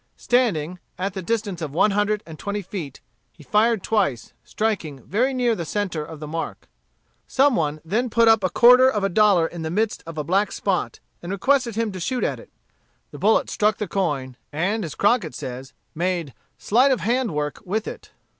Standing, at the distance of one hundred and twenty feet, he fired twice, striking very near the centre of the mark. Some one then put up a quarter of a dollar in the midst of a black spot, and requested him to shoot at it. The bullet struck the coin, and as Crockett says made slight of hand work with it.